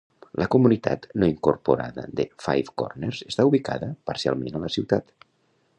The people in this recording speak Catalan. La comunitat no incorporada de Five Corners està ubicada parcialment a la ciutat.